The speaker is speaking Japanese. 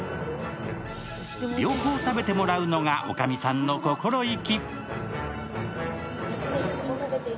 両方食べてもらうのがおかみさんの心意気。